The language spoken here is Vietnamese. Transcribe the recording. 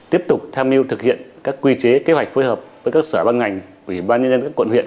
tiếp tục tham mưu thực hiện các quy chế kế hoạch phối hợp với các sở băng ngành ủy ban nhân dân các quận huyện